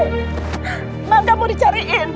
mbak gak mau dicariin